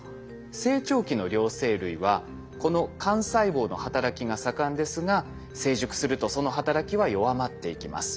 成長期の両生類はこの幹細胞の働きが盛んですが成熟するとその働きは弱まっていきます。